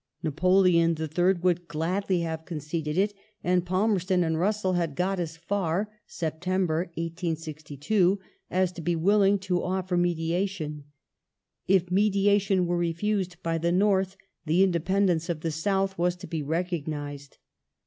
Napoleon III. would gladly have conceded it, and Pahnerston and Russell had got as far (Sept. 1862) as to be willing to offer mediation. If mediation were refused by the North, the indepen dence of the South was to be recognized.